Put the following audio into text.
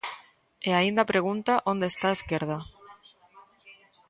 E aínda pregunta onde está a esquerda.